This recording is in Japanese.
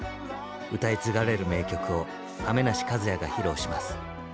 歌い継がれる名曲を亀梨和也が披露します。